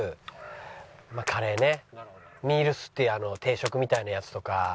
ミールスっていう定食みたいなやつとか。